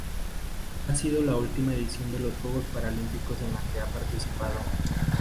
Ha sido la última edición de los juegos paralímpicos en la que ha participado.